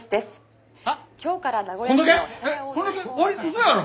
嘘やろ！？